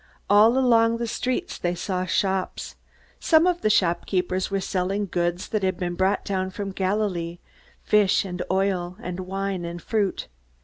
All along the streets they saw shops. Some of the shopkeepers were selling goods that had been brought down from Galilee fish and oil and wine and fruit.